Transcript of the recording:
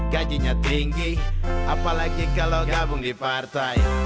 gajinya tinggi apalagi kalau gabung di partai